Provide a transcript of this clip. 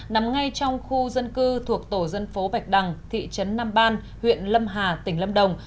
nằm ngay trong khu dân cư thuộc tổ dân phố bạch đằng thị trấn nam ban huyện lâm hà tỉnh lâm đồng